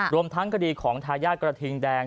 รวมทั้งคดีของทายาทกระทิงแดง